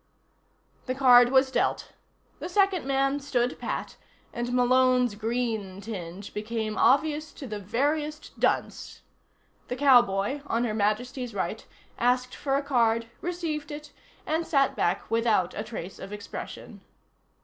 The card was dealt. The second man stood pat and Malone's green tinge became obvious to the veriest dunce. The cowboy, on Her Majesty's right, asked for a card, received it and sat back without a trace of expression.